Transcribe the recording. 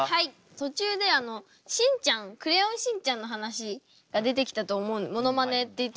途中で「クレヨンしんちゃん」の話が出てきたと思うモノマネって言ってたんですけど